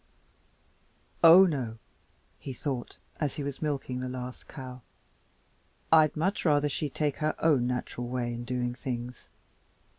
"Oh, no!" he thought as he was milking the last cow, "I'd much rather she'd take her own natural way in doing things.